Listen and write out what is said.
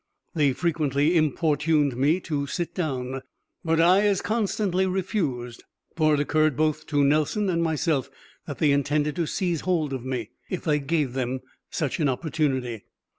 They frequently importuned me to sit down, but I as constantly refused; for it occurred both to Nelson and myself that they intended to seize hold of me, if I gave them such an opportunity.